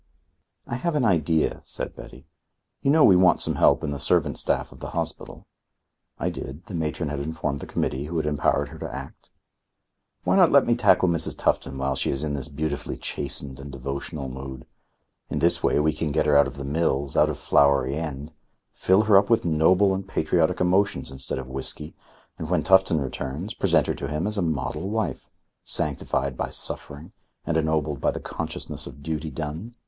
"I have an idea," said Betty. "You know we want some help in the servant staff of the hospital?" I did. The matron had informed the Committee, who had empowered her to act. "Why not let me tackle Mrs. Tufton while she is in this beautifully chastened and devotional mood? In this way we can get her out of the mills, out of Flowery End, fill her up with noble and patriotic emotions instead of whisky, and when Tufton returns, present her to him as a model wife, sanctified by suffering and ennobled by the consciousness of duty done.